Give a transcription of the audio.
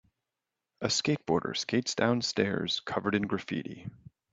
A skateboarder skates down stairs covered in graffiti.